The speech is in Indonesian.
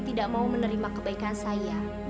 tidak mau menerima kebaikan saya